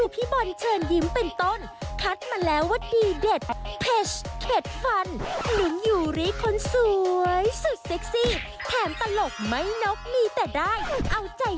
โปรดติดตามตอนต่อไป